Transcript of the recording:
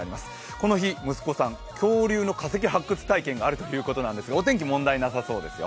この日、息子さん恐竜の化石発掘体験があるということなんですがお天気、問題なさそうですよ。